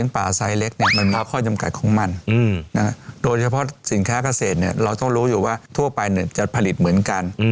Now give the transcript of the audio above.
ผมก็รู้อยู่ว่าทั่วไปเนี่ยจะผลิตเหมือนกัน